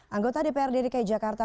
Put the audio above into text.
anggota dprd dki jakarta